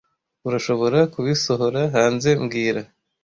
Urashobora kubisohora hanze mbwira